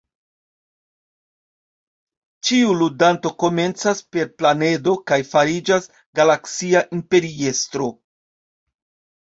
Ĉiu ludanto komencas "per planedo" kaj fariĝas galaksia imperiestro.